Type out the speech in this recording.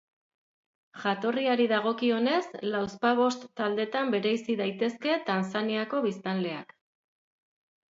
Jatorriari dagokionez, lauzpabost taldetan bereizi daitezke Tanzaniako biztanleak.